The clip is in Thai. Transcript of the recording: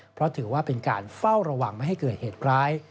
เพราะถือว่าเป็นการเฝ้าระวังไม่ให้เกิดเหตุร้าย